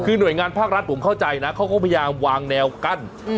คือหน่วยงานภาครัฐผมเข้าใจนะเขาก็พยายามวางแนวกั้น